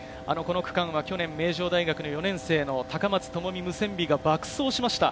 この区間は去年、名城大学の４年生の高松智美ムセンビが爆走しました。